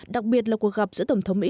đặc biệt là cuộc gặp giữa tổng thống mỹ